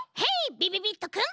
びびびっとくん！